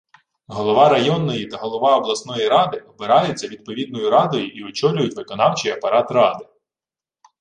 Голова районної та голова обласної ради обираються відповідною радою і очолюють виконавчий апарат ради